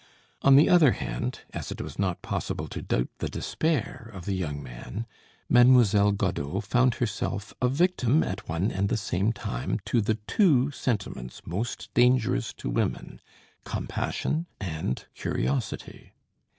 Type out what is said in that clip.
On the other hand, as it was not possible to doubt the despair of the young man, Mademoiselle Godeau found herself a victim, at one and the same time, to the two sentiments most dangerous to women compassion and curiosity.